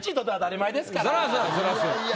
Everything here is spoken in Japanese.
そらそうや。